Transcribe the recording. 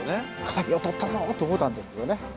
「敵を取ったぞ！」と思ったんですけどね。